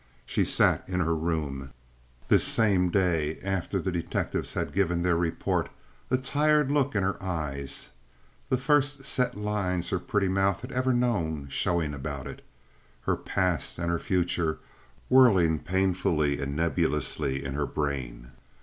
She sat in her room, this same day after the detectives had given their report, a tired look in her eyes, the first set lines her pretty mouth had ever known showing about it, her past and her future whirling painfully and nebulously in her brain.